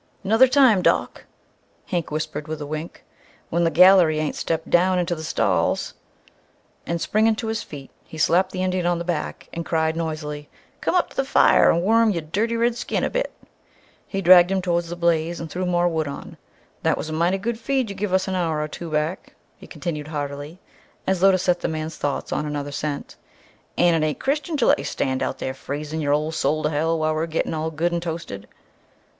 "'Nother time, Doc!" Hank whispered, with a wink, "when the gallery ain't stepped down into the stalls!" And, springing to his feet, he slapped the Indian on the back and cried noisily, "Come up t' the fire an' warm yer dirty red skin a bit." He dragged him towards the blaze and threw more wood on. "That was a mighty good feed you give us an hour or two back," he continued heartily, as though to set the man's thoughts on another scent, "and it ain't Christian to let you stand out there freezin' yer ole soul to hell while we're gettin' all good an' toasted!"